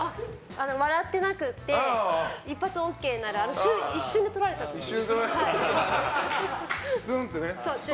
笑ってなくて一発ＯＫになる一瞬で撮られたやつ。